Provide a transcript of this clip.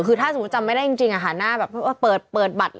คือถ้าสมมติจำไม่ได้จริงอ่ะหาหน้าแบบเปิดบัตร